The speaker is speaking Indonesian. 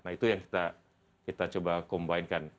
nah itu yang kita coba kombinkan